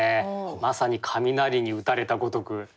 まさに雷に打たれたごとく。